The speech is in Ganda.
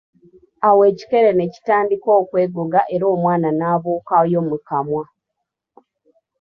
Awo ekikere ne kitandika okwegoga era omwana n'abuuka yo mu kamwa.